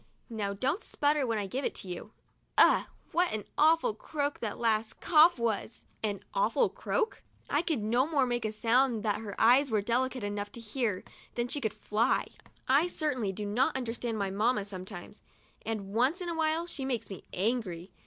Now don't sputter when I give it to you. Ugh ! what an awful croak that last cough was !' An awful croak? I could no more make a sound that her ears were delicate enough to hear than she could fly. I certainly do not understand my mamma sometimes, and once in a while she makes me angry.